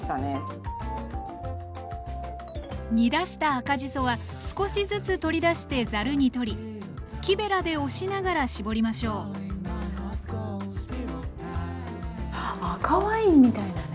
煮出した赤じそは少しずつ取り出してざるに取り木べらで押しながら絞りましょう赤ワインみたいなね。